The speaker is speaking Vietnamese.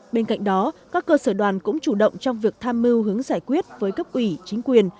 bên cạnh đó các cơ sở đoàn cũng chủ động trong việc tham mưu hướng giải quyết với cấp ủy chính quyền